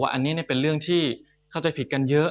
อันนี้เป็นเรื่องที่เข้าใจผิดกันเยอะ